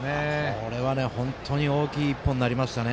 これは本当に大きい１本になりましたね。